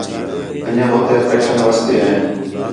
انڄیاں ہو تے آپریشن واسطے آئِن